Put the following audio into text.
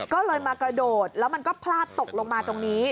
ก็เลยมากระโดดแล้วมันก็พลาดตกลงมาตรงนี้